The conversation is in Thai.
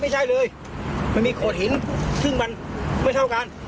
ไม่ใช่เลยมันมีโขดหินซึ่งมันไม่เท่ากัน